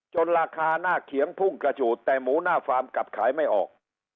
ราคาหน้าเขียงพุ่งกระฉูดแต่หมูหน้าฟาร์มกลับขายไม่ออก